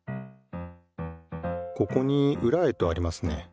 ここに「ウラへ」とありますね。